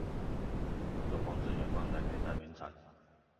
有朋自遠方來，沒帶名產